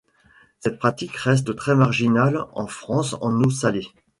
Cette pratique reste très marginale en France en eau salée.